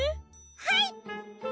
はい！